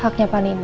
haknya pak nino